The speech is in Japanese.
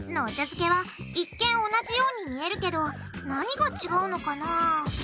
漬けは一見同じように見えるけど何が違うのかな？